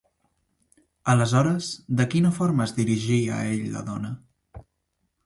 Aleshores, de quina forma es dirigí a ell la dona?